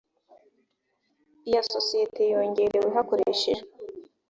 iya sosiyete yongerewe hakoreshejwe.